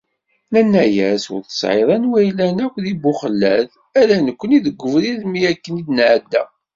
Nenna-as ur tesɛiḍ anwa yellan akk di Buxellad, ala nekkni deg ubrid mi akken i d-nɛedda.